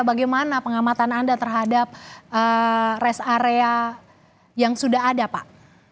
bagaimana pengamatan anda terhadap rest area yang sudah ada pak